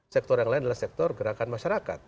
sektor yang lain adalah sektor gerakan masyarakat